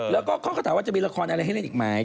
แล้วก็เขาก็ถามว่าจะมีละครอะไรให้เล่นอีกไหม